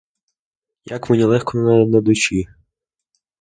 Як мені легко на душі!